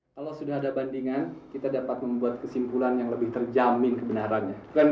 kalau sudah ada bandingan kita dapat membuat kesimpulan yang lebih terjamin kebenarannya